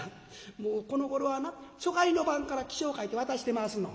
もうこのごろはな初会の晩から起請書いて渡してますの」。